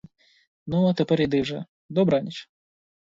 Ну, а тепер іди вже, добраніч!